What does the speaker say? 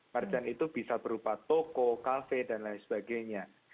marjan itu bisa berupa toko cafe dan lain sebagainya